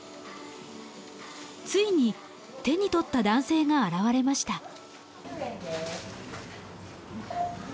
ついに手に取った男性が現れました。